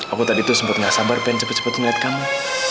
aku tadi tuh sempat nggak sabar pengen cepet cepet ngeliat kamu